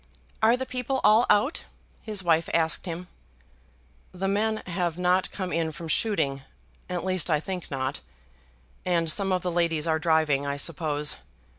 "Are the people all out?" his wife asked him. "The men have not come in from shooting; at least I think not; and some of the ladies are driving, I suppose.